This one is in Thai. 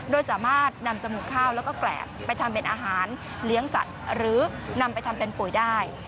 โดยสามารถนำจมูกข้าวแล้วก็แกรบไปทำเป็นอาหารเลี้ยงสัตว์หรือนำไปทำเป็นปุ๋ยได้